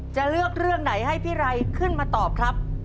จะเลือกเรื่องไหนให้พี่ไรขึ้นมาตอบครับ